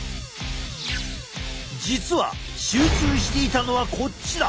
実は集中していたのはこっちだ。